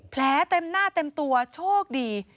เต็มหน้าเต็มตัวโชคดี